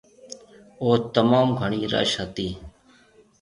اوٿ تموم گھڻِي رش هِتي۔